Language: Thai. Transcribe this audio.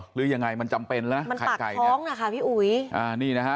หรือยังไงมันจำเป็นนะมันขาดท้องนะคะพี่อุ๋ยอ่านี่นะฮะ